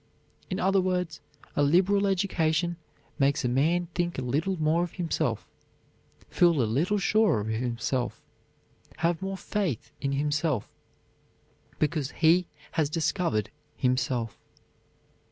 In other words, a liberal education makes a man think a little more of himself, feel a little surer of himself, have more faith in himself, because he has discovered himself.